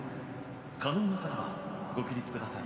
可能な方は、ご起立ください。